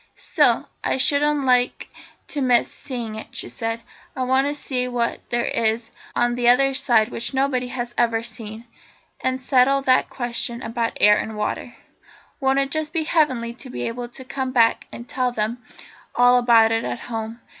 "Still, I shouldn't like to miss seeing it," she said. "I want to see what there is on that other side which nobody has ever seen yet, and settle that question about air and water. Won't it just be heavenly to be able to come back and tell them all about it at home?